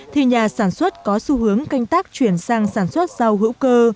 thì nhà sản xuất có xu hướng canh tác chuyển sang sản xuất rau hữu cơ